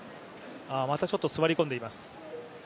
またちょっと座り込んでいます。